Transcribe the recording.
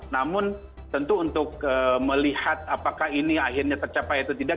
namun tentu untuk melihat apakah ini akhirnya tercapai atau tidak